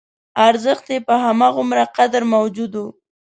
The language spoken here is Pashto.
ارزښت یې په همغومره قدر موجود و.